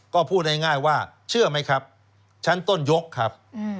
ก็พูดง่ายว่าเชื่อไหมครับชั้นต้นยกครับ